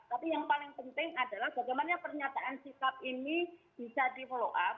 tapi yang paling penting adalah bagaimana pernyataan sikap ini bisa di follow up